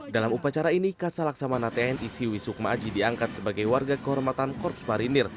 dalam upacara ini kasa laksamana tni siwi sukma aji diangkat sebagai warga kehormatan korps marinir